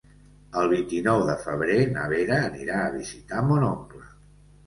El vint-i-nou de febrer na Vera anirà a visitar mon oncle.